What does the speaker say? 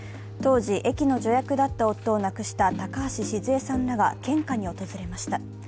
当時、駅の助役だった夫を亡くした高橋シズヱさんらが献花に訪れました。